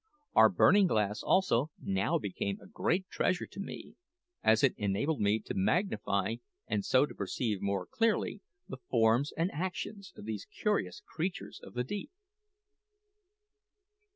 Our burning glass, also, now became a great treasure to me, as it enabled me to magnify, and so to perceive more clearly, the forms and actions of these curious creatures of the deep.